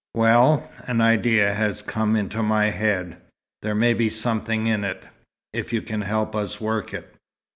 "Well, an idea has come into my head. There may be something in it if you can help us work it.